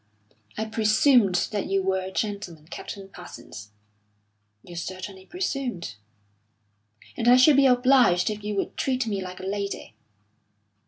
"I presumed that you were a gentleman, Captain Parsons." "You certainly presumed." "And I should be obliged if you would treat me like a lady."